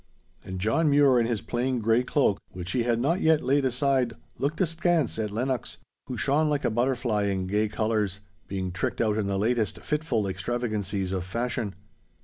And John Mure in his plain grey cloak, which he had not yet laid aside, looked askance at Lennox, who shone like a butterfly in gay colours, being tricked out in the latest fitful extravagancies of fashion.